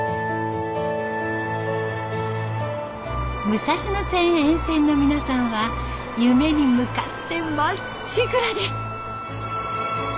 武蔵野線沿線の皆さんは夢に向かってまっしぐらです。